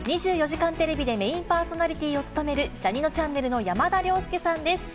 ２４時間テレビでメインパーソナリティーを務める、ジャにのちゃんねるの山田涼介さんです。